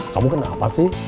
kamu kenapa sih